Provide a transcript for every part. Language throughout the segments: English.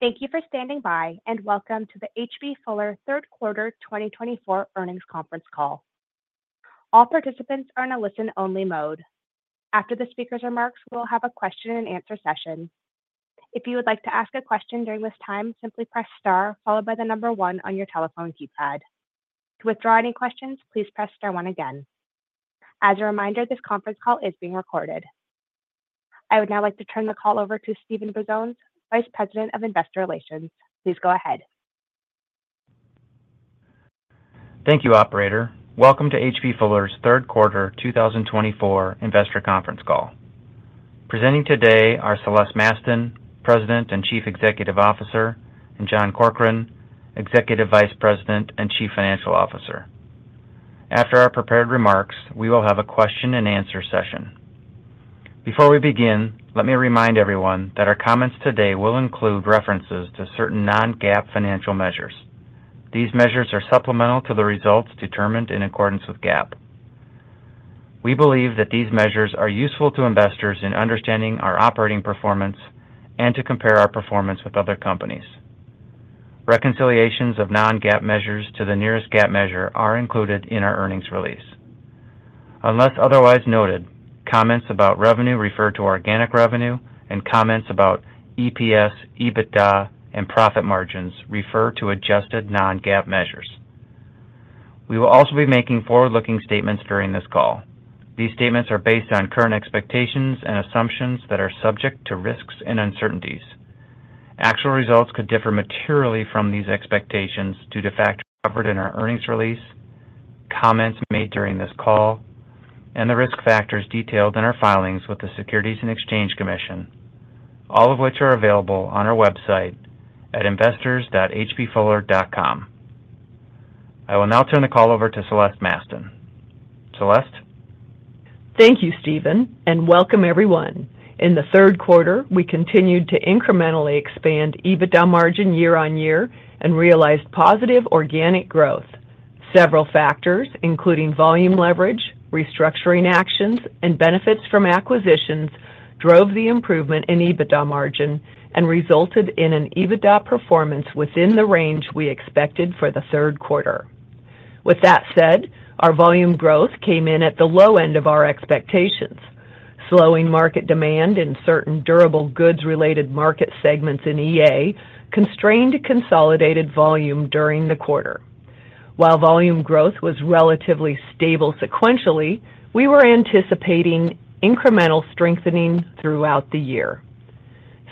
Thank you for standing by, and welcome to the H.B. Fuller third quarter twenty twenty-four earnings conference call. All participants are in a listen-only mode. After the speaker's remarks, we'll have a question and answer session. If you would like to ask a question during this time, simply press star followed by the number one on your telephone keypad. To withdraw any questions, please press star one again. As a reminder, this conference call is being recorded. I would now like to turn the call over to Steven Brazones, Vice President of Investor Relations. Please go ahead. Thank you, operator. Welcome to H.B. Fuller's third quarter two thousand and twenty-four investor conference call. Presenting today are Celeste Mastin, President and Chief Executive Officer, and John Corcoran, Executive Vice President and Chief Financial Officer. After our prepared remarks, we will have a question and answer session. Before we begin, let me remind everyone that our comments today will include references to certain non-GAAP financial measures. These measures are supplemental to the results determined in accordance with GAAP. We believe that these measures are useful to investors in understanding our operating performance and to compare our performance with other companies. Reconciliations of non-GAAP measures to the nearest GAAP measure are included in our earnings release. Unless otherwise noted, comments about revenue refer to organic revenue and comments about EPS, EBITDA, and profit margins refer to adjusted non-GAAP measures. We will also be making forward-looking statements during this call. These statements are based on current expectations and assumptions that are subject to risks and uncertainties. Actual results could differ materially from these expectations due to factors covered in our earnings release, comments made during this call, and the risk factors detailed in our filings with the Securities and Exchange Commission, all of which are available on our website at investors.hbfuller.com. I will now turn the call over to Celeste Mastin. Celeste? Thank you, Stephen, and welcome everyone. In the third quarter, we continued to incrementally expand EBITDA margin year on year and realized positive organic growth. Several factors, including volume leverage, restructuring actions, and benefits from acquisitions, drove the improvement in EBITDA margin and resulted in an EBITDA performance within the range we expected for the third quarter. With that said, our volume growth came in at the low end of our expectations. Slowing market demand in certain durable goods-related market segments in EA constrained consolidated volume during the quarter. While volume growth was relatively stable sequentially, we were anticipating incremental strengthening throughout the year.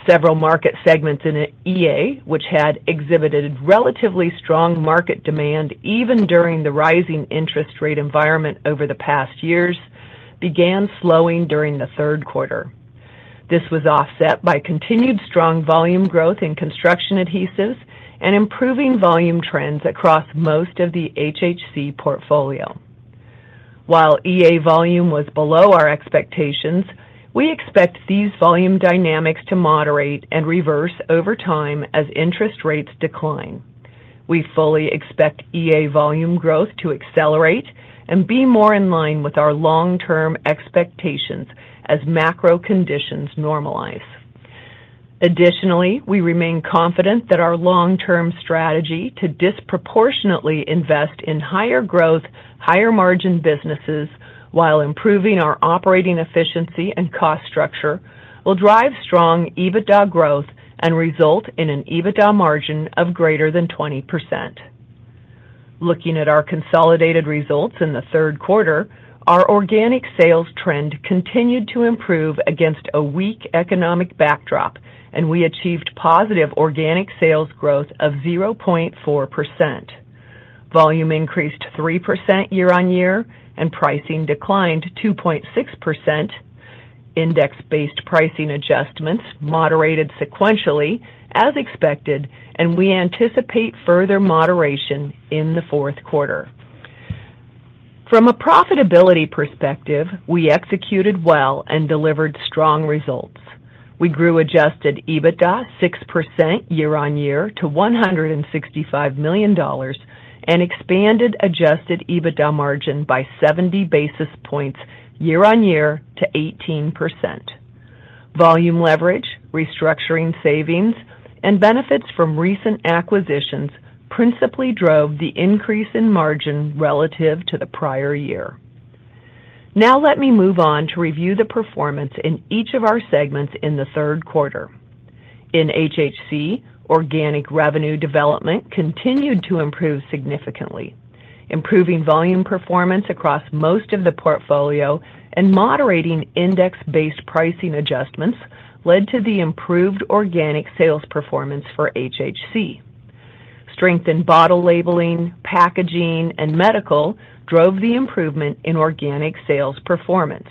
Several market segments in EA, which had exhibited relatively strong market demand even during the rising interest rate environment over the past years, began slowing during the third quarter. This was offset by continued strong volume growth in construction adhesives and improving volume trends across most of the HHC portfolio. While EA volume was below our expectations, we expect these volume dynamics to moderate and reverse over time as interest rates decline. We fully expect EA volume growth to accelerate and be more in line with our long-term expectations as macro conditions normalize. Additionally, we remain confident that our long-term strategy to disproportionately invest in higher growth, higher margin businesses while improving our operating efficiency and cost structure, will drive strong EBITDA growth and result in an EBITDA margin of greater than 20%. Looking at our consolidated results in the third quarter, our organic sales trend continued to improve against a weak economic backdrop, and we achieved positive organic sales growth of 0.4%. Volume increased 3% year on year, and pricing declined 2.6%. Index-based pricing adjustments moderated sequentially as expected, and we anticipate further moderation in the fourth quarter. From a profitability perspective, we executed well and delivered strong results. We grew Adjusted EBITDA 6% year on year to $165 million and expanded Adjusted EBITDA margin by 70 basis points year on year to 18%. Volume leverage, restructuring savings, and benefits from recent acquisitions principally drove the increase in margin relative to the prior year. Now let me move on to review the performance in each of our segments in the third quarter. In HHC, organic revenue development continued to improve significantly. Improving volume performance across most of the portfolio and moderating index-based pricing adjustments led to the improved organic sales performance for HHC. Strength in bottle labeling, packaging, and medical drove the improvement in organic sales performance.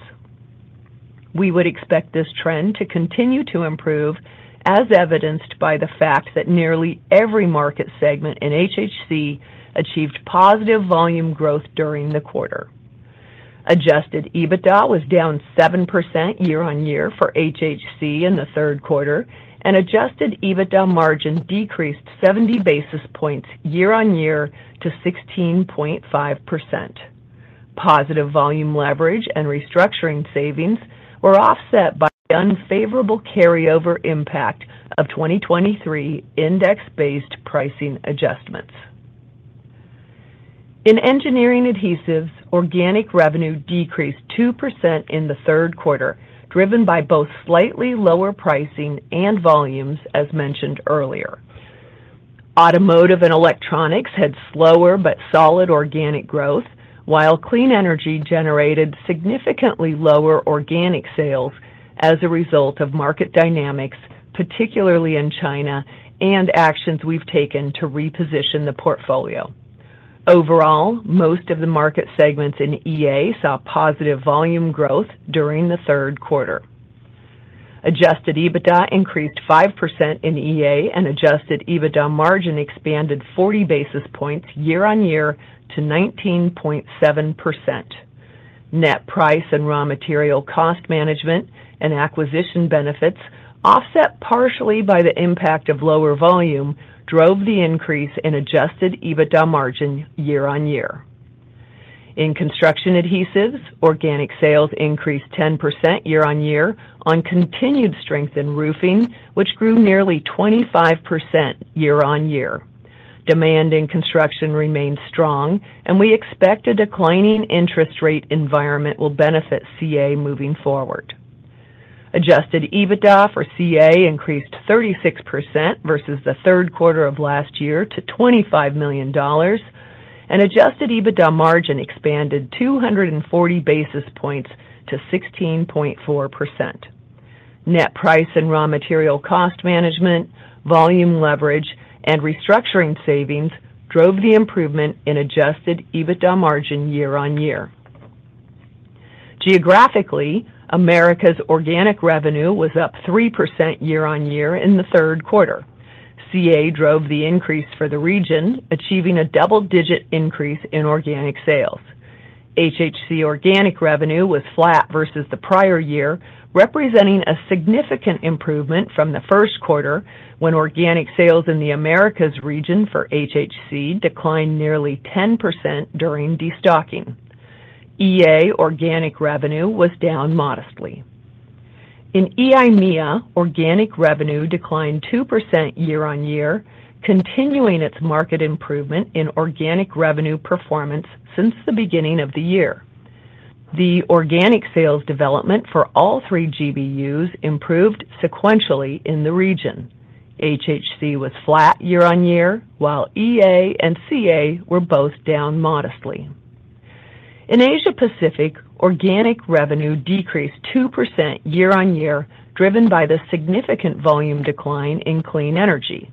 We would expect this trend to continue to improve, as evidenced by the fact that nearly every market segment in HHC achieved positive volume growth during the quarter. Adjusted EBITDA was down 7% year on year for HHC in the third quarter, and adjusted EBITDA margin decreased 70 basis points year on year to 16.5%. Positive volume leverage and restructuring savings were offset by unfavorable carryover impact of 2023 index-based pricing adjustments. In engineering adhesives, organic revenue decreased 2% in the third quarter, driven by both slightly lower pricing and volumes, as mentioned earlier. Automotive and electronics had slower but solid organic growth, while clean energy generated significantly lower organic sales as a result of market dynamics, particularly in China, and actions we've taken to reposition the portfolio. Overall, most of the market segments in EA saw positive volume growth during the third quarter. Adjusted EBITDA increased 5% in EA, and adjusted EBITDA margin expanded 40 basis points year on year to 19.7%. Net price and raw material cost management and acquisition benefits, offset partially by the impact of lower volume, drove the increase in adjusted EBITDA margin year on year. In construction adhesives, organic sales increased 10% year on year on continued strength in roofing, which grew nearly 25% year on year. Demand in construction remains strong, and we expect a declining interest rate environment will benefit CA moving forward. Adjusted EBITDA for CA increased 36% versus the third quarter of last year to $25 million, and adjusted EBITDA margin expanded 240 basis points to 16.4%. Net price and raw material cost management, volume leverage, and restructuring savings drove the improvement in Adjusted EBITDA margin year on year. Geographically, Americas organic revenue was up 3% year on year in the third quarter. CA drove the increase for the region, achieving a double-digit increase in organic sales. HHC organic revenue was flat versus the prior year, representing a significant improvement from the first quarter, when organic sales in the Americas region for HHC declined nearly 10% during destocking. EA organic revenue was down modestly. In EIMEA, organic revenue declined 2% year on year, continuing its market improvement in organic revenue performance since the beginning of the year. The organic sales development for all three GBUs improved sequentially in the region. HHC was flat year on year, while EA and CA were both down modestly. In Asia Pacific, organic revenue decreased 2% year on year, driven by the significant volume decline in clean energy.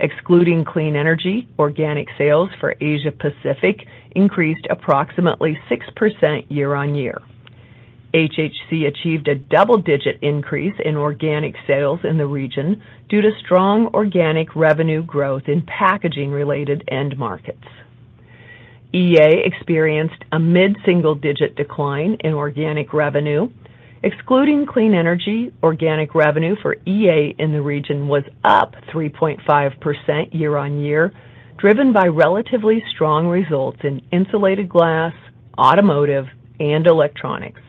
Excluding clean energy, organic sales for Asia Pacific increased approximately 6% year on year. HHC achieved a double-digit increase in organic sales in the region due to strong organic revenue growth in packaging-related end markets. EA experienced a mid-single-digit decline in organic revenue. Excluding clean energy, organic revenue for EA in the region was up 3.5% year on year, driven by relatively strong results in insulated glass, automotive, and electronics.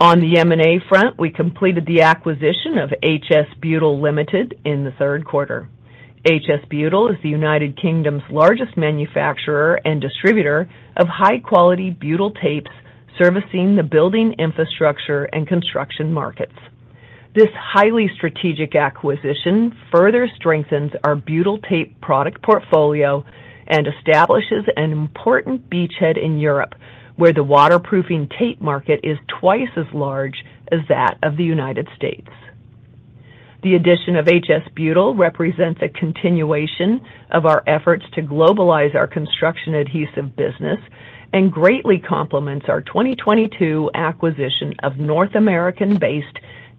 On the M&A front, we completed the acquisition of HS Butyl Limited in the third quarter. HS Butyl is the United Kingdom's largest manufacturer and distributor of high-quality butyl tapes, servicing the building, infrastructure, and construction markets. This highly strategic acquisition further strengthens our butyl tape product portfolio and establishes an important beachhead in Europe, where the waterproofing tape market is twice as large as that of the United States. The addition of HS Butyl represents a continuation of our efforts to globalize our construction adhesive business and greatly complements our 2022 acquisition of North American-based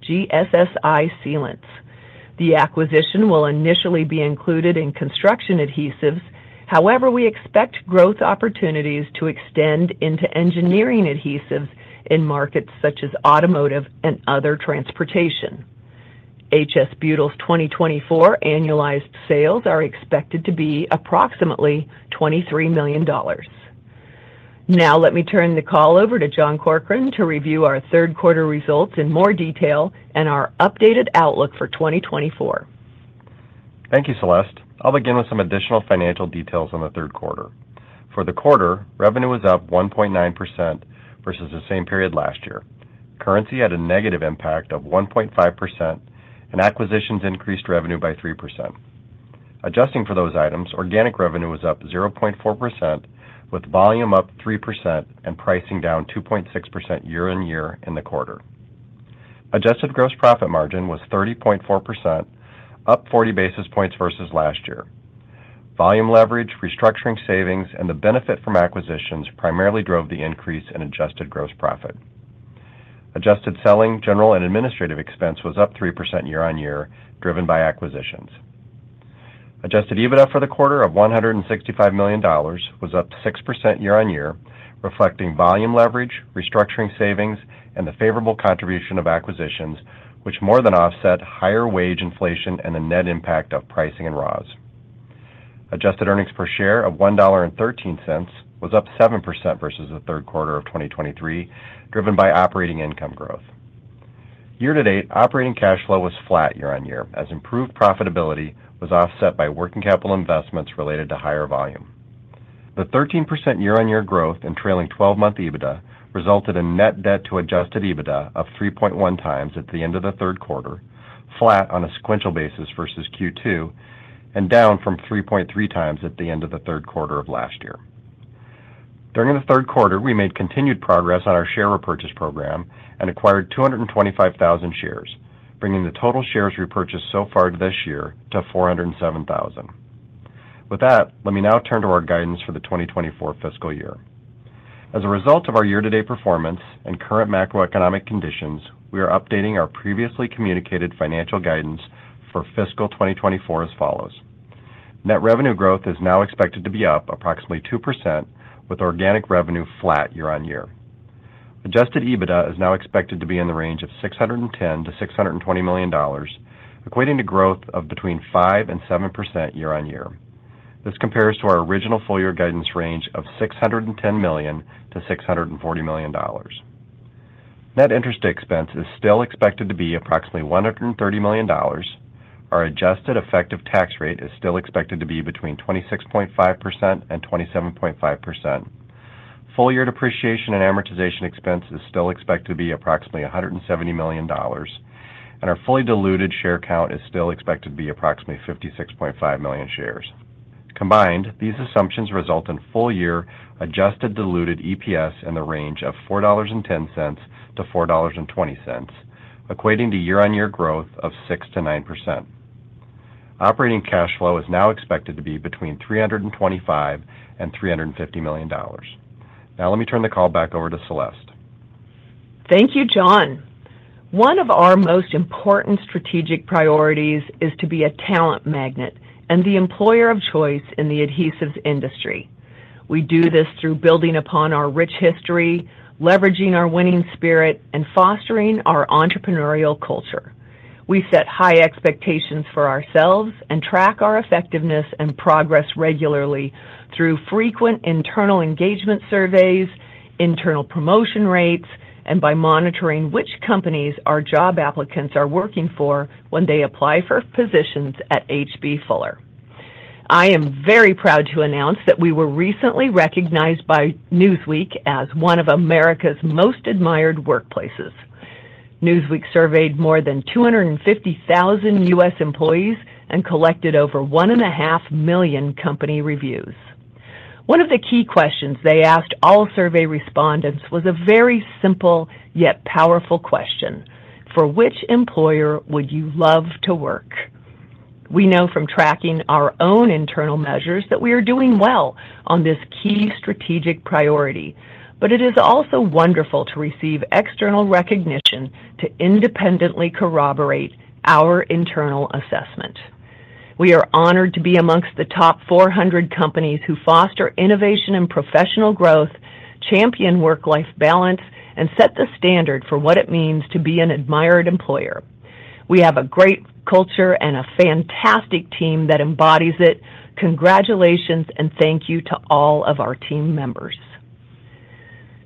GSSI Sealants. The acquisition will initially be included in construction adhesives. However, we expect growth opportunities to extend into engineering adhesives in markets such as automotive and other transportation. HS Butyl's 2024 annualized sales are expected to be approximately $23 million. Now let me turn the call over to John Corcoran to review our third quarter results in more detail and our updated outlook for 2024. Thank you, Celeste. I'll begin with some additional financial details on the third quarter. For the quarter, revenue was up 1.9% versus the same period last year. Currency had a negative impact of 1.5%, and acquisitions increased revenue by 3%. Adjusting for those items, organic revenue was up 0.4%, with volume up 3% and pricing down 2.6% year on year in the quarter. Adjusted gross profit margin was 30.4%, up 40 basis points versus last year. Volume leverage, restructuring savings, and the benefit from acquisitions primarily drove the increase in adjusted gross profit. Adjusted selling, general, and administrative expense was up 3% year on year, driven by acquisitions. Adjusted EBITDA for the quarter of $165 million was up 6% year on year, reflecting volume leverage, restructuring savings, and the favorable contribution of acquisitions, which more than offset higher wage inflation and the net impact of pricing and raws. Adjusted earnings per share of $1.13 was up 7% versus the third quarter of 2023, driven by operating income growth. Year-to-date, operating cash flow was flat year-on-year, as improved profitability was offset by working capital investments related to higher volume. The 13% year-on-year growth in trailing twelve-month EBITDA resulted in net debt to adjusted EBITDA of 3.1 times at the end of the third quarter, flat on a sequential basis versus Q2, and down from 3.3 times at the end of the third quarter of last year. During the third quarter, we made continued progress on our share repurchase program and acquired 225,000 shares, bringing the total shares repurchased so far this year to 407,000. With that, let me now turn to our guidance for the 2024 fiscal year. As a result of our year-to-date performance and current macroeconomic conditions, we are updating our previously communicated financial guidance for fiscal 2024 as follows: Net revenue growth is now expected to be up approximately 2%, with organic revenue flat year-on-year. Adjusted EBITDA is now expected to be in the range of $610-$620 million, equating to growth of between 5% and 7% year-on-year. This compares to our original full year guidance range of $610-$640 million. Net interest expense is still expected to be approximately $130 million. Our adjusted effective tax rate is still expected to be between 26.5% and 27.5%. Full year depreciation and amortization expense is still expected to be approximately $170 million, and our fully diluted share count is still expected to be approximately 56.5 million shares. Combined, these assumptions result in full year adjusted diluted EPS in the range of $4.10 to $4.20, equating to year-on-year growth of 6% to 9%. Operating cash flow is now expected to be between $325 million and $350 million. Now, let me turn the call back over to Celeste. Thank you, John. One of our most important strategic priorities is to be a talent magnet and the employer of choice in the adhesives industry. We do this through building upon our rich history, leveraging our winning spirit, and fostering our entrepreneurial culture. We set high expectations for ourselves and track our effectiveness and progress regularly through frequent internal engagement surveys, internal promotion rates, and by monitoring which companies our job applicants are working for when they apply for positions at H.B. Fuller. I am very proud to announce that we were recently recognized by Newsweek as one of America's most admired workplaces. Newsweek surveyed more than two hundred and fifty thousand U.S. employees and collected over one and a half million company reviews. One of the key questions they asked all survey respondents was a very simple, yet powerful question: For which employer would you love to work? We know from tracking our own internal measures that we are doing well on this key strategic priority, but it is also wonderful to receive external recognition to independently corroborate our internal assessment. We are honored to be among the top 400 companies who foster innovation and professional growth, champion work-life balance, and set the standard for what it means to be an admired employer. We have a great culture and a fantastic team that embodies it. Congratulations, and thank you to all of our team members.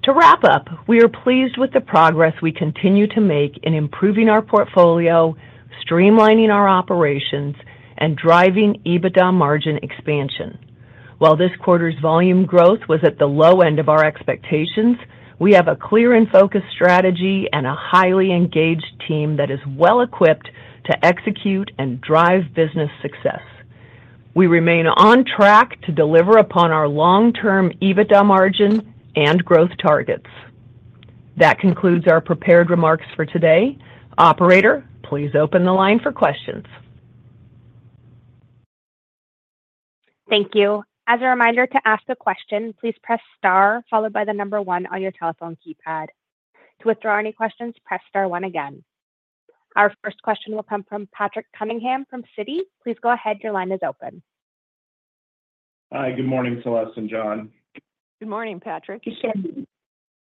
To wrap up, we are pleased with the progress we continue to make in improving our portfolio, streamlining our operations, and driving EBITDA margin expansion. While this quarter's volume growth was at the low end of our expectations, we have a clear and focused strategy and a highly engaged team that is well-equipped to execute and drive business success. We remain on track to deliver upon our long-term EBITDA margin and growth targets. That concludes our prepared remarks for today. Operator, please open the line for questions. Thank you. As a reminder, to ask a question, please press Star, followed by the number one on your telephone keypad. To withdraw any questions, press Star one again. Our first question will come from Patrick Cunningham, from Citi. Please go ahead. Your line is open. Hi. Good morning, Celeste and John. Good morning, Patrick. Good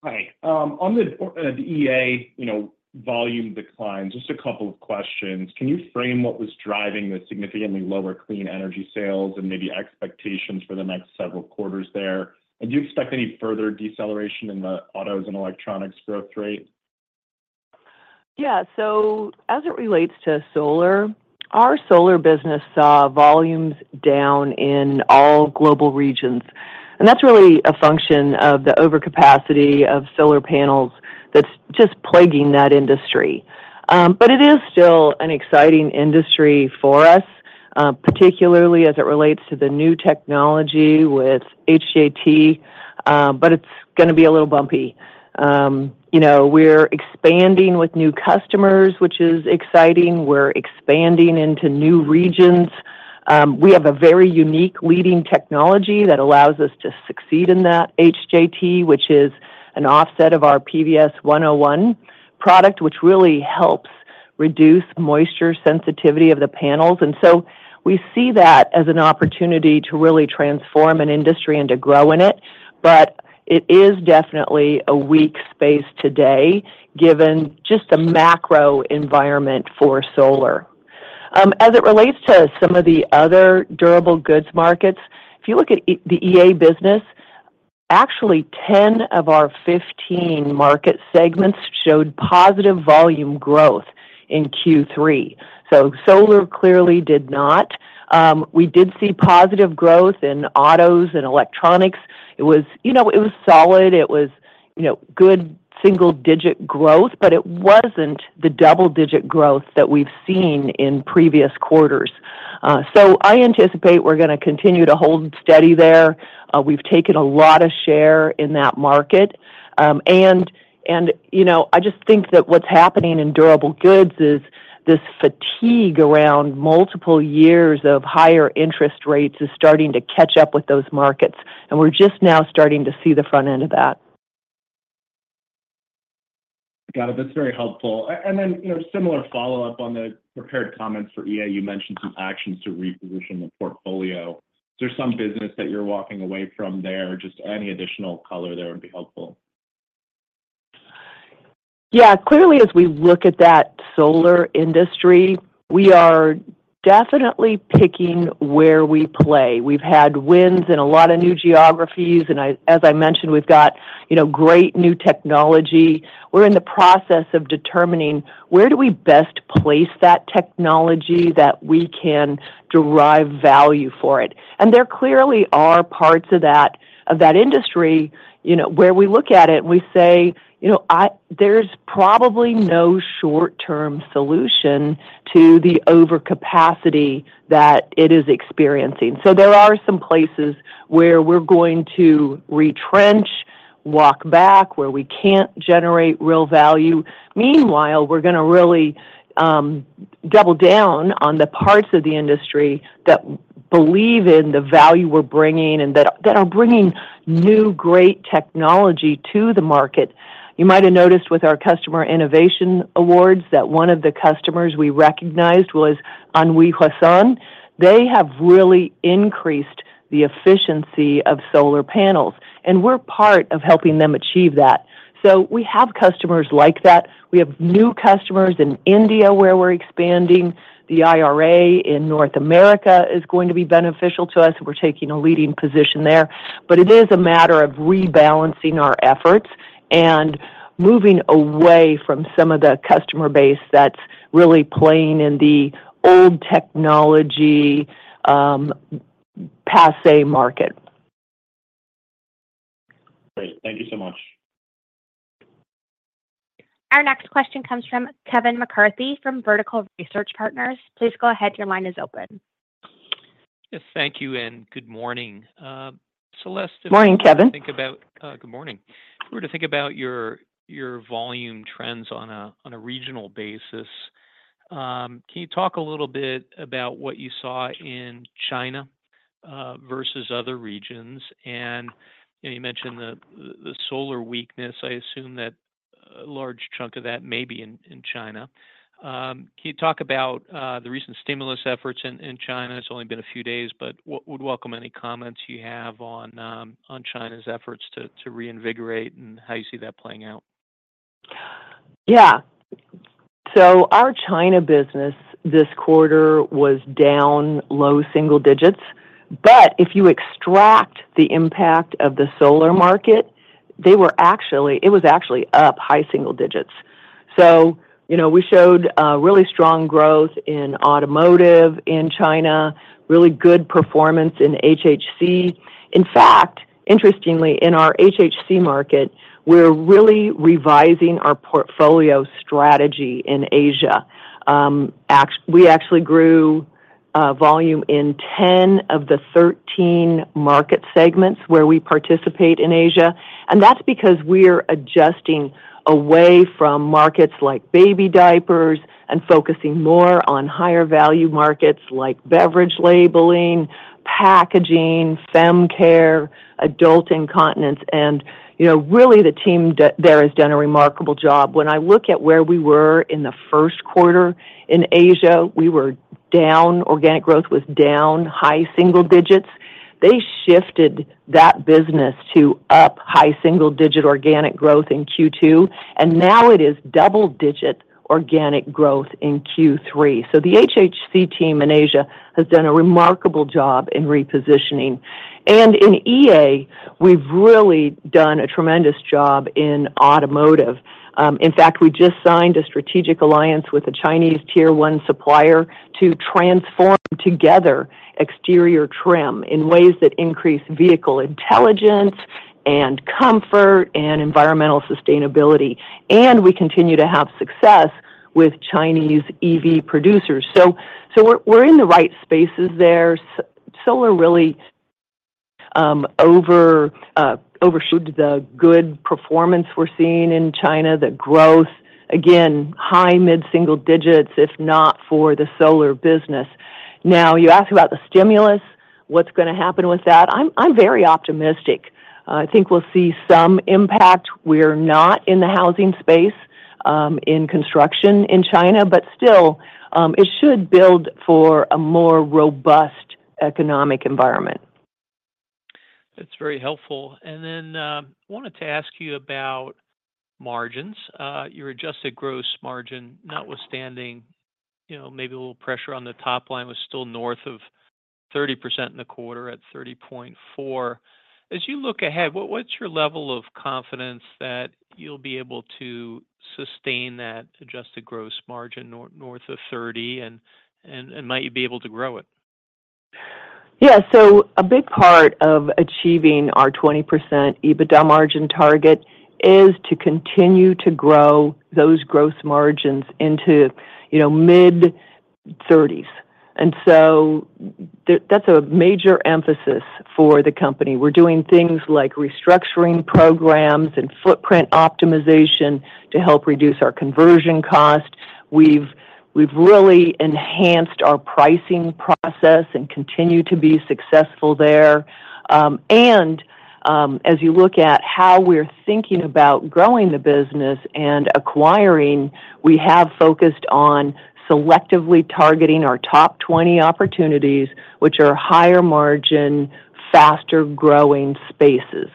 morning. Hi. On the EA, you know, volume decline, just a couple of questions. Can you frame what was driving the significantly lower clean energy sales and maybe expectations for the next several quarters there? And do you expect any further deceleration in the autos and electronics growth rate? Yeah. So as it relates to solar, our solar business saw volumes down in all global regions, and that's really a function of the overcapacity of solar panels that's just plaguing that industry. But it is still an exciting industry for us, particularly as it relates to the new technology with HJT, but it's gonna be a little bumpy. You know, we're expanding with new customers, which is exciting. We're expanding into new regions. We have a very unique leading technology that allows us to succeed in that HJT, which is an offset of our PVS-101 product, which really helps reduce moisture sensitivity of the panels. And so we see that as an opportunity to really transform an industry and to grow in it. But it is definitely a weak space today, given just the macro environment for solar. As it relates to some of the other durable goods markets, if you look at the EA business. Actually, 10 of our 15 market segments showed positive volume growth in Q3. So solar clearly did not. We did see positive growth in autos and electronics. It was, you know, it was solid. It was, you know, good single-digit growth, but it wasn't the double-digit growth that we've seen in previous quarters. So I anticipate we're gonna continue to hold steady there. We've taken a lot of share in that market, and, and, you know, I just think that what's happening in durable goods is this fatigue around multiple years of higher interest rates is starting to catch up with those markets, and we're just now starting to see the front end of that. Got it. That's very helpful. And then, you know, similar follow-up on the prepared comments for EA, you mentioned some actions to reposition the portfolio. Is there some business that you're walking away from there? Just any additional color there would be helpful. Yeah, clearly, as we look at that solar industry, we are definitely picking where we play. We've had wins in a lot of new geographies, and as I mentioned, we've got, you know, great new technology. We're in the process of determining where do we best place that technology that we can derive value for it? And there clearly are parts of that industry, you know, where we look at it and we say, "You know, there's probably no short-term solution to the overcapacity that it is experiencing." So there are some places where we're going to retrench, walk back, where we can't generate real value. Meanwhile, we're gonna really double down on the parts of the industry that believe in the value we're bringing and that are bringing new, great technology to the market. You might have noticed with our customer innovation awards, that one of the customers we recognized was Huasun. They have really increased the efficiency of solar panels, and we're part of helping them achieve that. So we have customers like that. We have new customers in India, where we're expanding. The IRA in North America is going to be beneficial to us, and we're taking a leading position there. But it is a matter of rebalancing our efforts and moving away from some of the customer base that's really playing in the old technology, passé market. Great. Thank you so much. Our next question comes from Kevin McCarthy, from Vertical Research Partners. Please go ahead. Your line is open. Yes, thank you, and good morning. Celeste- Morning, Kevin. Good morning. If we were to think about your volume trends on a regional basis, can you talk a little bit about what you saw in China versus other regions? And you mentioned the solar weakness. I assume that a large chunk of that may be in China. Can you talk about the recent stimulus efforts in China? It's only been a few days, but we'd welcome any comments you have on China's efforts to reinvigorate and how you see that playing out. Yeah. So our China business this quarter was down low single digits, but if you extract the impact of the solar market, they were actually—it was actually up high single digits. So you know, we showed really strong growth in automotive in China, really good performance in HHC. In fact, interestingly, in our HHC market, we're really revising our portfolio strategy in Asia. We actually grew volume in 10 of the 13 market segments where we participate in Asia, and that's because we're adjusting away from markets like baby diapers and focusing more on higher-value markets like beverage labeling, packaging, fem care, adult incontinence, and, you know, really the team there has done a remarkable job. When I look at where we were in the first quarter in Asia, we were down, organic growth was down high single digits. They shifted that business to up high single digit organic growth in Q2, and now it is double digit organic growth in Q3. The HHC team in Asia has done a remarkable job in repositioning. And in EA, we've really done a tremendous job in automotive. In fact, we just signed a strategic alliance with a Chinese Tier One supplier to transform together exterior trim in ways that increase vehicle intelligence and comfort and environmental sustainability. And we continue to have success with Chinese EV producers. So we're in the right spaces there. Solar really overshot the good performance we're seeing in China, the growth, again, high mid-single digits, if not for the solar business. Now, you ask about the stimulus, what's gonna happen with that? I'm very optimistic. I think we'll see some impact. We're not in the housing space, in construction in China, but still, it should build for a more robust economic environment. That's very helpful. And then, I wanted to ask you about margins. Your adjusted gross margin, notwithstanding, you know, maybe a little pressure on the top line, was still north of 30% in the quarter at 30.4%. As you look ahead, what's your level of confidence that you'll be able to sustain that adjusted gross margin north of 30%, and might you be able to grow it? Yeah. So a big part of achieving our 20% EBITDA margin target is to continue to grow those gross margins into, you know, mid-30s. And so that's a major emphasis for the company. We're doing things like restructuring programs and footprint optimization to help reduce our conversion cost. We've really enhanced our pricing process and continue to be successful there. And as you look at how we're thinking about growing the business and acquiring, we have focused on selectively targeting our top 20 opportunities, which are higher margin, faster growing spaces.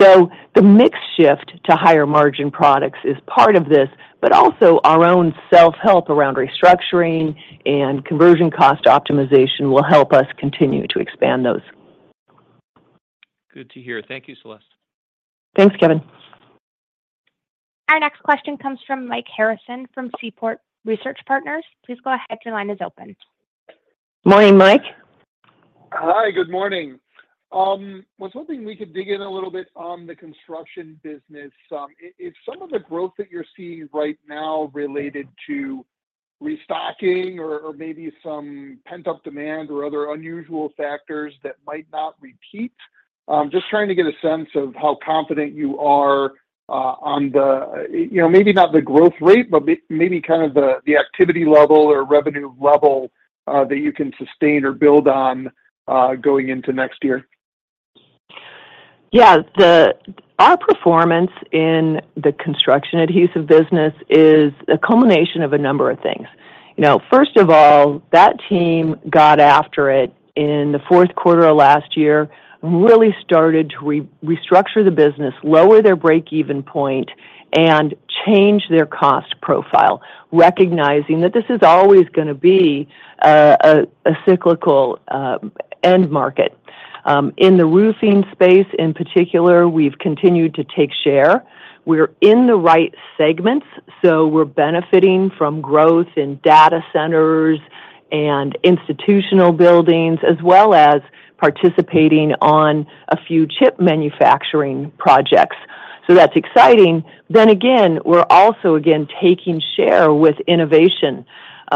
So the mix shift to higher margin products is part of this, but also our own self-help around restructuring and conversion cost optimization will help us continue to expand those. Good to hear. Thank you, Celeste. Thanks, Kevin. Our next question comes from Mike Harrison from Seaport Research Partners. Please go ahead. Your line is open. Morning, Mike. Hi, good morning. I was hoping we could dig in a little bit on the construction business. Is some of the growth that you're seeing right now related to restocking or, or maybe some pent-up demand or other unusual factors that might not repeat? Just trying to get a sense of how confident you are, on the, you know, maybe not the growth rate, but maybe kind of the, the activity level or revenue level, that you can sustain or build on, going into next year. Yeah. Our performance in the construction adhesive business is a culmination of a number of things. You know, first of all, that team got after it in the fourth quarter of last year, really started to restructure the business, lower their break-even point, and change their cost profile, recognizing that this is always gonna be a cyclical end market. In the roofing space, in particular, we've continued to take share. We're in the right segments, so we're benefiting from growth in data centers and institutional buildings, as well as participating on a few chip manufacturing projects. So that's exciting. Then again, we're also again taking share with innovation.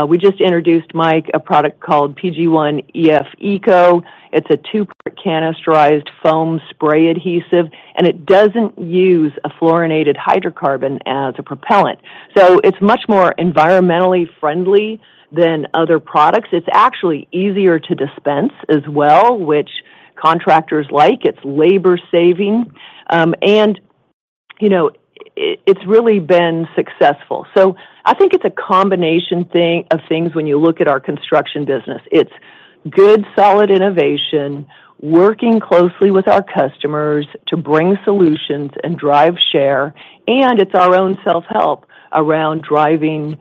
We just introduced, Mike, a product called PG-1 EF ECO. It's a two-part canisterized foam spray adhesive, and it doesn't use a fluorinated hydrocarbon as a propellant, so it's much more environmentally friendly than other products. It's actually easier to dispense as well, which contractors like. It's labor saving, and you know, it's really been successful. So I think it's a combination of things when you look at our construction business. It's good, solid innovation, working closely with our customers to bring solutions and drive share, and it's our own self-help around driving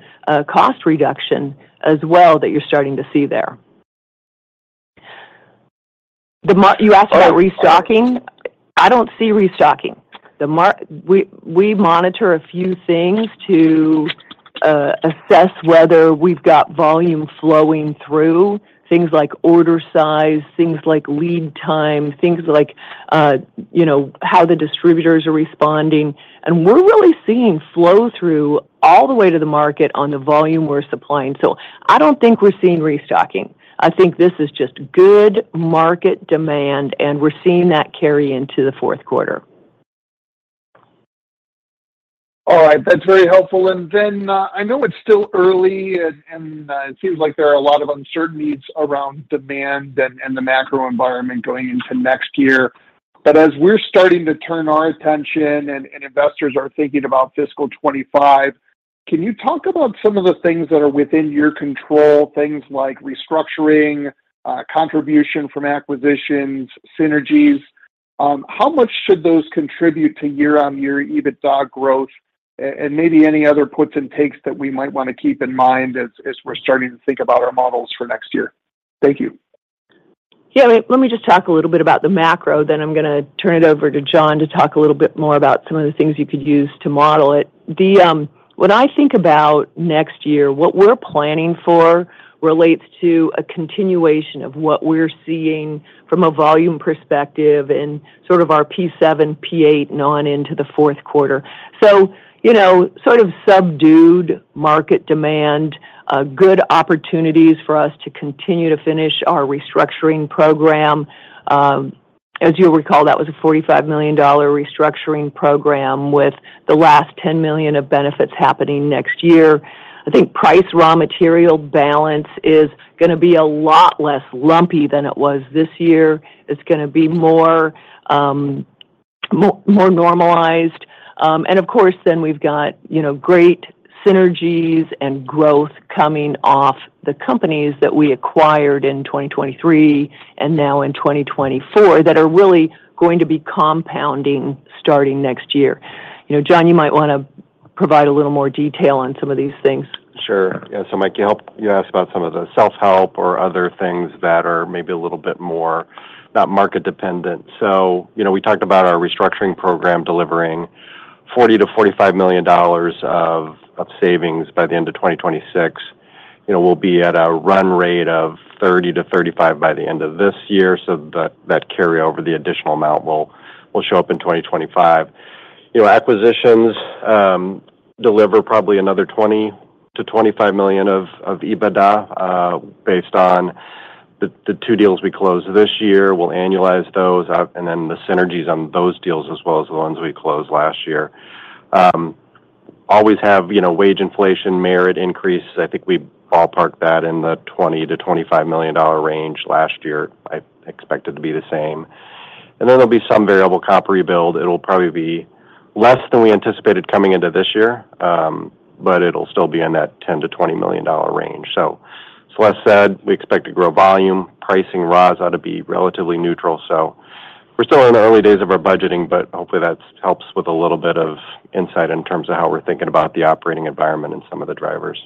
cost reduction as well, that you're starting to see there. You asked about restocking? I don't see restocking. We monitor a few things to assess whether we've got volume flowing through, things like order size, things like lead time, things like, you know, how the distributors are responding. We're really seeing flow-through all the way to the market on the volume we're supplying. I don't think we're seeing restocking. I think this is just good market demand, and we're seeing that carry into the fourth quarter. All right. That's very helpful. And then, I know it's still early, and it seems like there are a lot of uncertainties around demand and the macro environment going into next year. But as we're starting to turn our attention and investors are thinking about fiscal 2025, can you talk about some of the things that are within your control, things like restructuring, contribution from acquisitions, synergies? How much should those contribute to year-on-year EBITDA growth? And maybe any other puts and takes that we might wanna keep in mind as we're starting to think about our models for next year. Thank you. Yeah. Let me just talk a little bit about the macro, then I'm gonna turn it over to John to talk a little bit more about some of the things you could use to model it. The... When I think about next year, what we're planning for relates to a continuation of what we're seeing from a volume perspective and sort of our P7, P8, and on into the fourth quarter. So, you know, sort of subdued market demand, good opportunities for us to continue to finish our restructuring program. As you'll recall, that was a $45 million restructuring program, with the last $10 million of benefits happening next year. I think price raw material balance is gonna be a lot less lumpy than it was this year. It's gonna be more, more normalized. And of course, then we've got, you know, great synergies and growth coming off the companies that we acquired in 2023, and now in 2024, that are really going to be compounding starting next year. You know, John, you might wanna provide a little more detail on some of these things. Sure. Yeah, so Mike, you asked about some of the self-help or other things that are maybe a little bit more, not market dependent. So, you know, we talked about our restructuring program delivering $40-$45 million of savings by the end of 2026. You know, we'll be at a run rate of $30-$35 by the end of this year, so that carry over, the additional amount will show up in 2025. You know, acquisitions deliver probably another $20-$25 million of EBITDA based on the two deals we closed this year. We'll annualize those out, and then the synergies on those deals, as well as the ones we closed last year. Always have, you know, wage inflation, merit increases. I think we ballparked that in the $20-25 million range last year. I expect it to be the same, and then there'll be some variable comp rebuild. It'll probably be less than we anticipated coming into this year, but it'll still be in that $10-20 million range, so as Celeste said, we expect to grow volume. Pricing, raw ought to be relatively neutral, so we're still in the early days of our budgeting, but hopefully that helps with a little bit of insight in terms of how we're thinking about the operating environment and some of the drivers.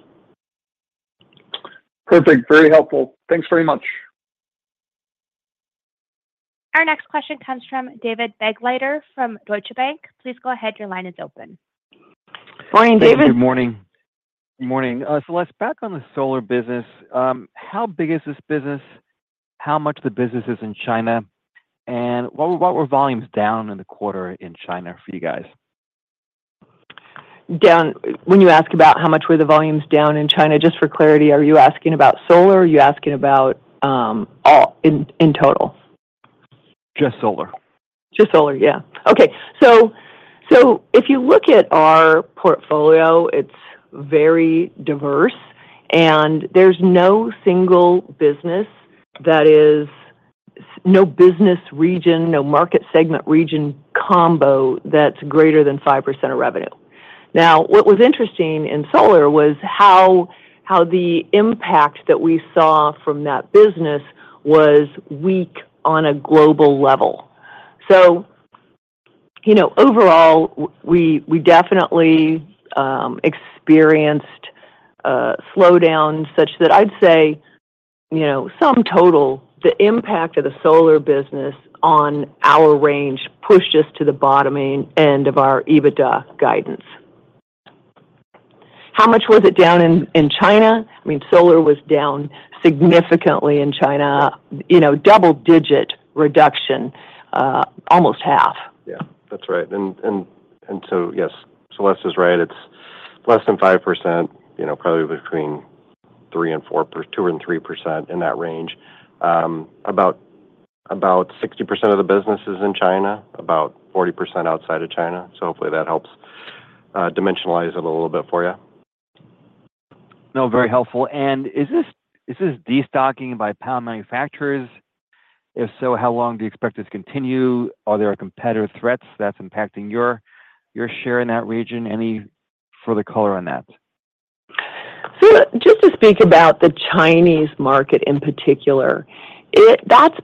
Perfect. Very helpful. Thanks very much. Our next question comes from David Begleiter from Deutsche Bank. Please go ahead. Your line is open. Morning, David. Good morning. Good morning. Celeste, back on the solar business, how big is this business? How much of the business is in China, and what were volumes down in the quarter in China for you guys? When you ask about how much were the volumes down in China, just for clarity, are you asking about solar, or are you asking about, all in, in total? Just solar. Just solar, yeah. Okay. So if you look at our portfolio, it's very diverse, and there's no single business that is... No business region, no market segment region combo that's greater than 5% of revenue. Now, what was interesting in solar was how the impact that we saw from that business was weak on a global level. So, you know, overall, we definitely experienced a slowdown such that I'd say, you know, sum total, the impact of the solar business on our range pushed us to the bottom end of our EBITDA guidance. How much was it down in China? I mean, solar was down significantly in China, you know, double-digit reduction, almost half. Yeah, that's right, and so yes, Celeste is right. It's less than 5%, you know, probably between 3% and 4%, 2% and 3%, in that range. About 60% of the business is in China, about 40% outside of China. So hopefully that helps dimensionalize it a little bit for you. No, very helpful and is this destocking by panel manufacturers? If so, how long do you expect this to continue? Are there competitor threats that's impacting your share in that region? Any further color on that? So just to speak about the Chinese market in particular, it, that's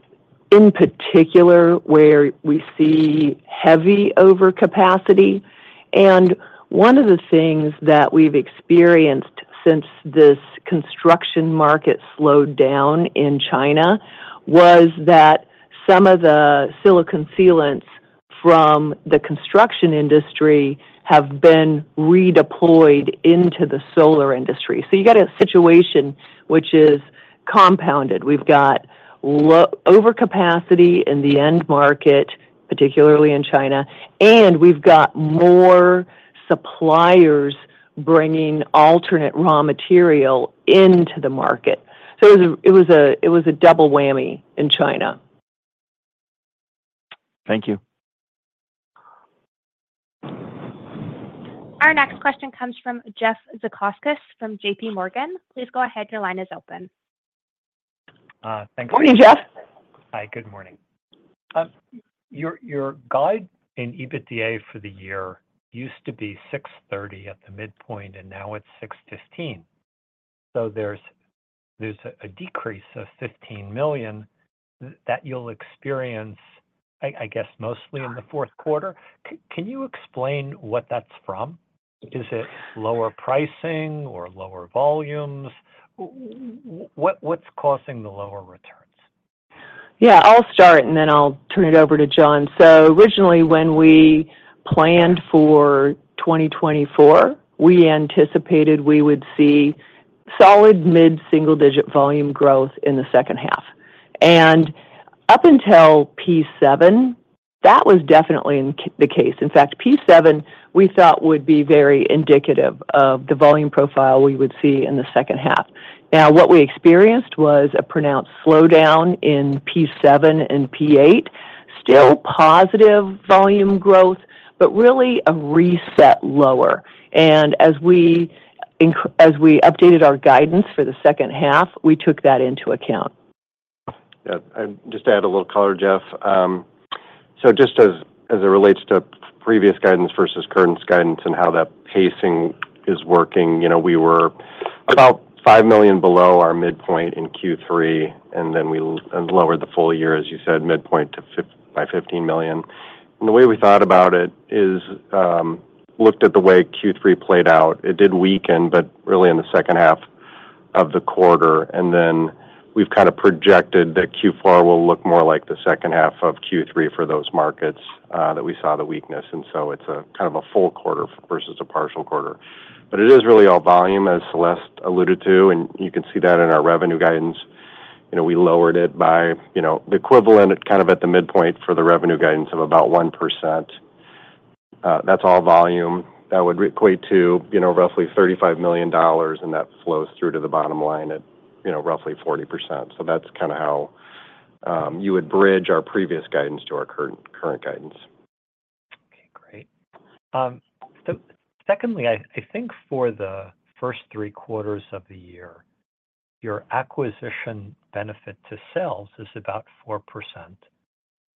in particular where we see heavy overcapacity. And one of the things that we've experienced since this construction market slowed down in China was that some of the silicone sealants from the construction industry have been redeployed into the solar industry. So you got a situation which is compounded. We've got overcapacity in the end market, particularly in China, and we've got more suppliers bringing alternate raw material into the market. So it was a double whammy in China. Thank you. Our next question comes from Jeff Zekauskas from J.P. Morgan. Please go ahead. Your line is open. Uh, thanks. Morning, Jeff. Hi, good morning. Your guidance in EBITDA for the year used to be $630 million at the midpoint, and now it's $615 million. So there's a decrease of $15 million that you'll experience, I guess, mostly in the fourth quarter. Can you explain what that's from? Is it lower pricing or lower volumes? What, what's causing the lower returns? Yeah, I'll start, and then I'll turn it over to John. Originally, when we planned for twenty twenty-four, we anticipated we would see solid mid-single digit volume growth in the second half. Up until P7, that was definitely in the case. In fact, P7, we thought would be very indicative of the volume profile we would see in the second half. Now, what we experienced was a pronounced slowdown in P7 and P8. Still positive volume growth, but really a reset lower. As we updated our guidance for the second half, we took that into account.... Yeah, I'd just add a little color, Jeff. So just as it relates to previous guidance versus current guidance and how that pacing is working, you know, we were about $5 million below our midpoint in Q3, and then we lowered the full year, as you said, midpoint by $15 million. And the way we thought about it is, looked at the way Q3 played out. It did weaken, but really in the second half of the quarter, and then we've kind of projected that Q4 will look more like the second half of Q3 for those markets that we saw the weakness. And so it's a kind of a full quarter versus a partial quarter. But it is really all volume, as Celeste alluded to, and you can see that in our revenue guidance. You know, we lowered it by, you know, the equivalent, kind of at the midpoint for the revenue guidance of about 1%. That's all volume. That would equate to, you know, roughly $35 million, and that flows through to the bottom line at, you know, roughly 40%. So that's kind of how you would bridge our previous guidance to our current guidance. Okay, great. Secondly, I think for the first three quarters of the year, your acquisition benefit to sales is about 4%,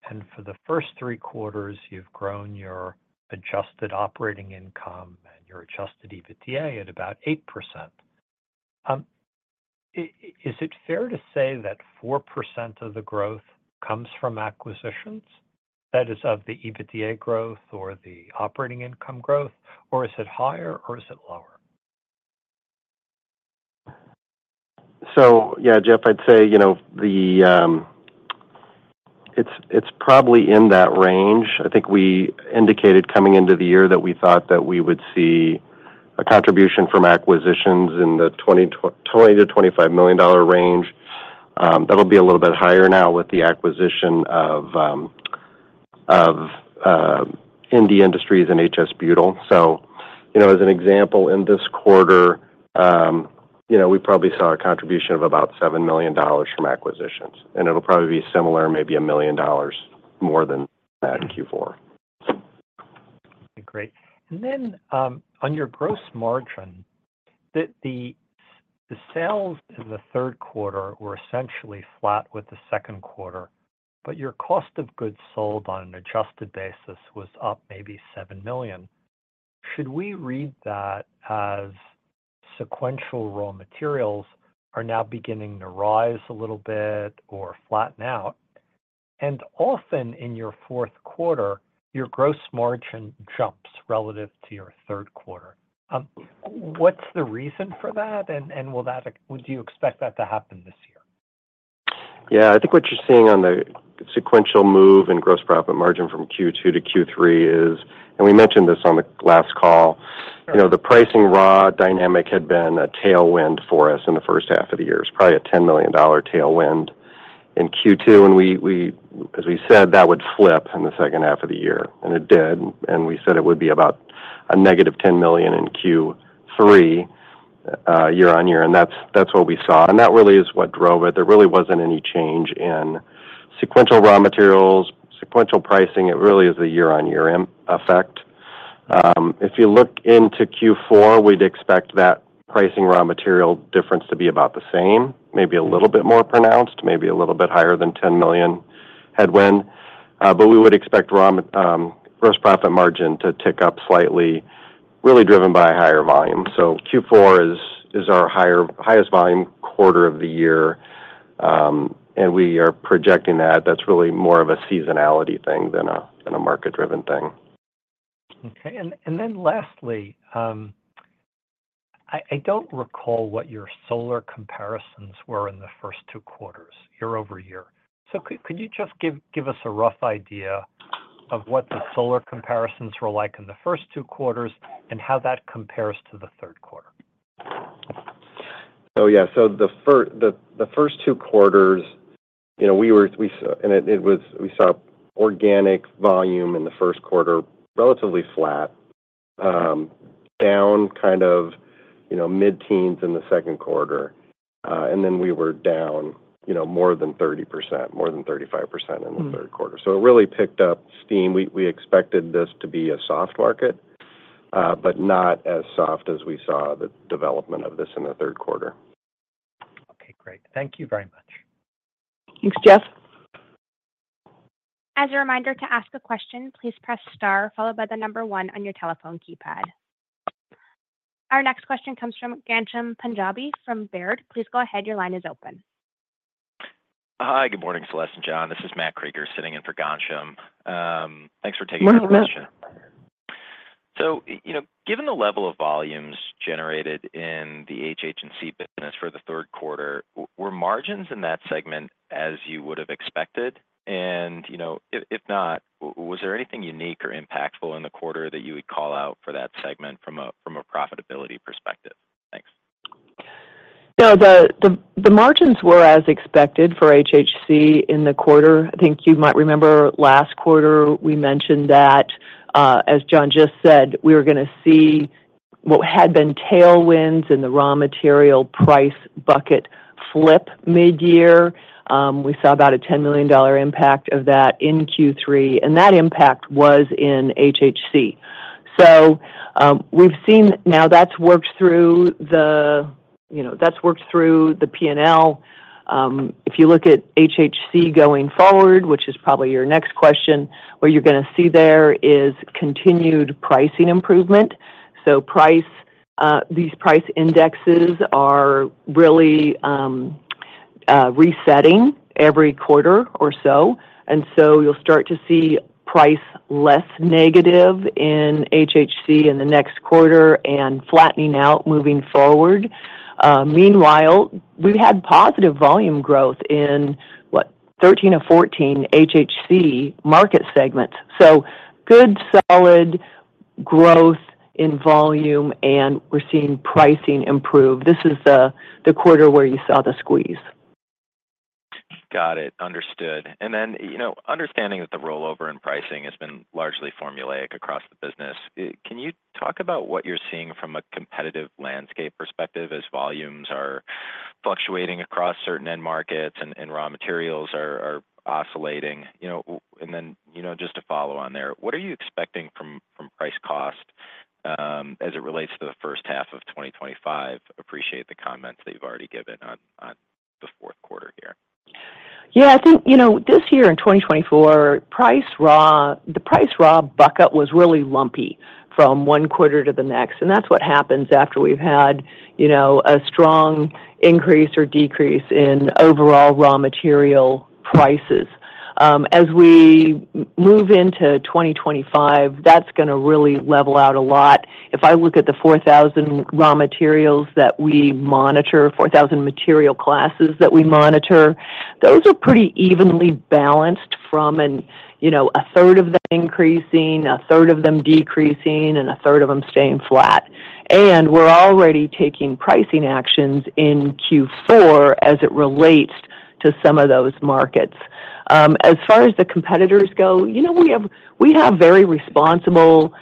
and for the first three quarters, you've grown your adjusted operating income and your adjusted EBITDA at about 8%. Is it fair to say that 4% of the growth comes from acquisitions, that is, of the EBITDA growth or the operating income growth, or is it higher, or is it lower? So, yeah, Jeff, I'd say, you know, the... It's, it's probably in that range. I think we indicated coming into the year that we thought that we would see a contribution from acquisitions in the $20-$25 million range. That'll be a little bit higher now with the acquisition of, of, ND Industries and HS Butyl. So, you know, as an example, in this quarter, you know, we probably saw a contribution of about $7 million from acquisitions, and it'll probably be similar, maybe $1 million more than that in Q4. Great. And then, on your gross margin, the sales in the third quarter were essentially flat with the second quarter, but your cost of goods sold on an adjusted basis was up maybe $7 million. Should we read that as sequential raw materials are now beginning to rise a little bit or flatten out? And often in your fourth quarter, your gross margin jumps relative to your third quarter. What's the reason for that, and will that, do you expect that to happen this year? Yeah. I think what you're seeing on the sequential move in gross profit margin from Q2 to Q3 is, and we mentioned this on the last call, you know, the pricing raw dynamic had been a tailwind for us in the first half of the year. It's probably a $10 million tailwind in Q2, and we as we said, that would flip in the second half of the year, and it did. And we said it would be about a negative $10 million in Q3, year on year, and that's what we saw, and that really is what drove it. There really wasn't any change in sequential raw materials, sequential pricing. It really is a year-on-year effect. If you look into Q4, we'd expect that pricing raw material difference to be about the same, maybe a little bit more pronounced, maybe a little bit higher than $10 million headwind. But we would expect gross profit margin to tick up slightly, really driven by higher volume. So Q4 is our highest volume quarter of the year, and we are projecting that. That's really more of a seasonality thing than a market-driven thing. Okay. And then lastly, I don't recall what your solar comparisons were in the first two quarters year over year. So could you just give us a rough idea of what the solar comparisons were like in the first two quarters and how that compares to the third quarter? Oh, yeah. So the first two quarters, you know, we saw organic volume in the first quarter, relatively flat, down kind of, you know, mid-teens in the second quarter. And then we were down, you know, more than 30%, more than 35% in the third quarter. Mm. It really picked up steam. We expected this to be a soft market, but not as soft as we saw the development of this in the third quarter. Okay, great. Thank you very much. Thanks, Jeff. As a reminder, to ask a question, please press star, followed by the number one on your telephone keypad. Our next question comes from Ghansham Panjabi from Baird. Please go ahead. Your line is open. Hi, good morning, Celeste and John. This is Matt Krieger sitting in for Ghansham. Thanks for taking our question. Morning, Matt. So, you know, given the level of volumes generated in the HHC business for the third quarter, were margins in that segment as you would've expected? And, you know, if not, was there anything unique or impactful in the quarter that you would call out for that segment from a profitability perspective? Thanks. No, the margins were as expected for HHC in the quarter. I think you might remember last quarter we mentioned that, as John just said, we were gonna see what had been tailwinds in the raw material price bucket flip midyear. We saw about a $10 million impact of that in Q3, and that impact was in HHC. So, we've seen now that's worked through the, you know, that's worked through the P&L. If you look at HHC going forward, which is probably your next question, what you're gonna see there is continued pricing improvement. So price, these price indexes are really, resetting every quarter or so, and so you'll start to see price less negative in HHC in the next quarter and flattening out moving forward. Meanwhile, we've had positive volume growth in what, thirteen or fourteen HHC market segments. So good, solid growth in volume, and we're seeing pricing improve. This is the quarter where you saw the squeeze. Got it. Understood. And then, you know, understanding that the rollover in pricing has been largely formulaic across the business, can you talk about what you're seeing from a competitive landscape perspective as volumes are fluctuating across certain end markets and raw materials are oscillating? You know, and then, you know, just to follow on there, what are you expecting from price cost as it relates to the first half of twenty twenty-five? Appreciate the comments that you've already given on the fourth quarter here. Yeah, I think, you know, this year in 2024, the price raw bucket was really lumpy from one quarter to the next, and that's what happens after we've had, you know, a strong increase or decrease in overall raw material prices. As we move into 2025, that's gonna really level out a lot. If I look at the 4,000 raw materials that we monitor, 4,000 material classes that we monitor, those are pretty evenly balanced from an, you know, a third of them increasing, a third of them decreasing, and a third of them staying flat. And we're already taking pricing actions in Q4 as it relates to some of those markets. As far as the competitors go, you know, we have very responsible,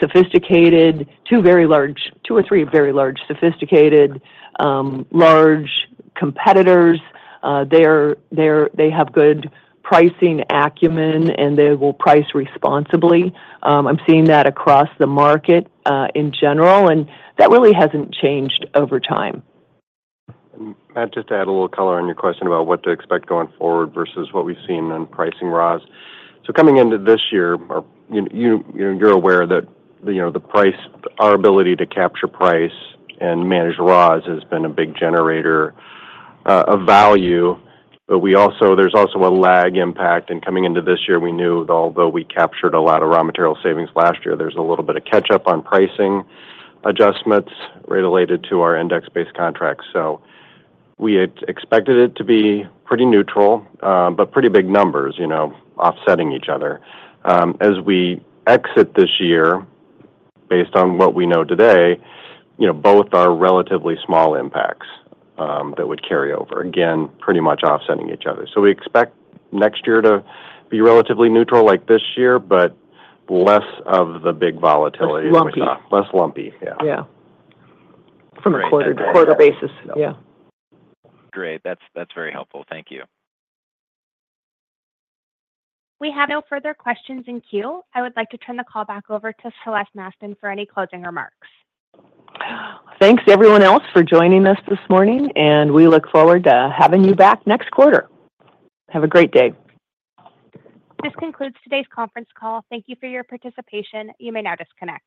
sophisticated, two or three very large, sophisticated, large competitors. They have good pricing acumen, and they will price responsibly. I'm seeing that across the market, in general, and that really hasn't changed over time. Just to add a little color on your question about what to expect going forward versus what we've seen on pricing raws. So coming into this year, you're aware that, you know, the price, our ability to capture price and manage raws has been a big generator of value. But we also. There's also a lag impact, and coming into this year, we knew that although we captured a lot of raw material savings last year, there's a little bit of catch-up on pricing adjustments related to our index-based contracts. So we had expected it to be pretty neutral, but pretty big numbers, you know, offsetting each other. As we exit this year, based on what we know today, you know, both are relatively small impacts that would carry over, again, pretty much offsetting each other. So we expect next year to be relatively neutral like this year, but less of the big volatility. Less lumpy. Less lumpy, yeah. Yeah. From a quarter to quarter basis. Yeah. Yeah. Great. That's, that's very helpful. Thank you. We have no further questions in queue. I would like to turn the call back over to Celeste Mastin for any closing remarks. Thanks, everyone else, for joining us this morning, and we look forward to having you back next quarter. Have a great day. This concludes today's conference call. Thank you for your participation. You may now disconnect.